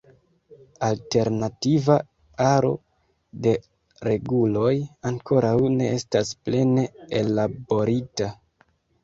Alternativa aro de reguloj ankoraŭ ne estas plene ellaborita.